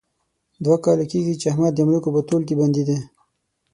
دوه کاله کېږي، چې احمد د املوکو په تول کې بندي دی.